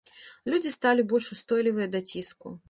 Людзі сталі больш устойлівыя да ціску.